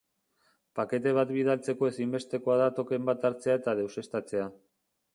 Pakete bat bidaltzeko ezinbestekoa da token bat hartzea eta deuseztatzea.